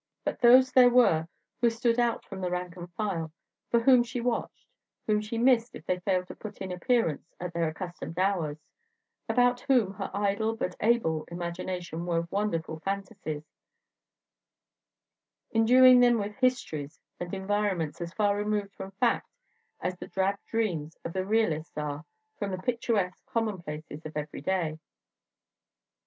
But those there were who stood out from the rank and file, for whom she watched, whom she missed if they failed to put in appearance at their accustomed hours, about whom her idle but able imagination wove wonderful fantasies, enduing them with histories and environments as far removed from fact as the drab dreams of the realists are from the picturesque commonplaces of everyday.